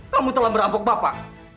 kamu telah merampok bapak